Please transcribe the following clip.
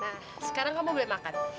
nah sekarang kamu boleh makan